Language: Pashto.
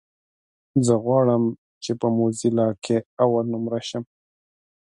زه غواړم چې په موزيلا کې اولنومره شم.